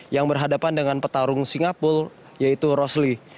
yang berhadapan dengan petarung singapura yaitu rosly